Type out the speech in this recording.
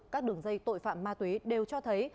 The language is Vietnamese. các đường dây tội phạm ma túy đều cho thấy